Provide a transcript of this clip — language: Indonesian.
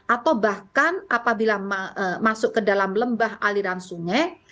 atau bahkan apabila masuk ke dalam lembah aliran sungai